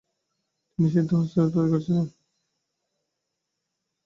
তিনি সিদ্ধহস্তের অধিকারী ছিলেন।